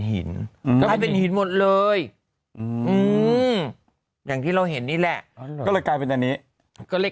หินกลายเป็นหินหมดเลยอย่างที่เราเห็นนี่แหละก็เลยกลายเป็นอันนี้ก็เลย